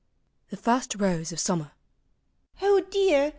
TIIE FIRST ROSE OF SUMMER. "Oh dear!